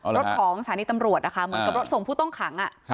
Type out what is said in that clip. รถของสถานีตำรวจนะคะเหมือนกับรถส่งผู้ต้องขัง